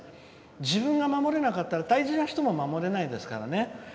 自分が守れなかったら大事な人も守れないですからね。